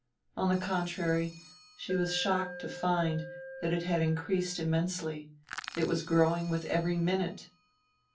On the contrary, she was shocked to find that it had increased immensely, it was growing with every minute.